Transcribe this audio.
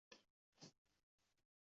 ammo tizim tomonidan ishlab chiqilgan